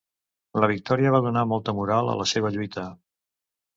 La victòria va donar molta moral a la seva lluita.